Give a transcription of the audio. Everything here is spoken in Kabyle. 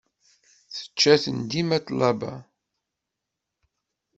Tečča-ten dima ṭṭlaba.